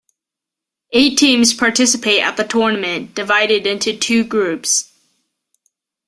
Eight teams participate at the tournament, divided into two groups.